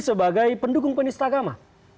sebagai pendukung penista agama